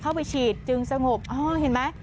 เข้าไปฉีดจึงสงบอ้อเห็นมั้ย